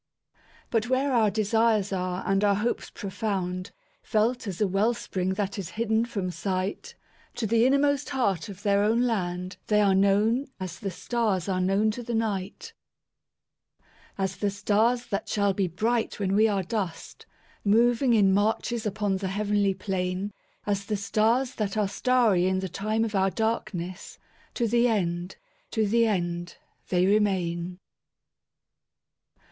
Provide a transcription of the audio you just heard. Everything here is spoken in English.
But where our desires are and our hopes profound, Felt as a well spring that is hidden from sight, To the innermost heart of their own land they are knownAs the stars are known to the Night; As the stars that shall be bright when we are dust, Moving in marches upon the heavenly plain; As the stars that are starry in the time of our darkness, To the end, to the end, they remain.